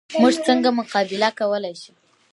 موږ څنګه مقابله کولی شو؟